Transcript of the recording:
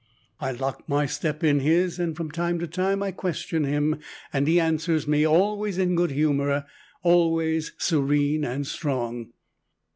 I lock my step in his, and from time to time I question him and he answers me always in good humor, always serene and strong.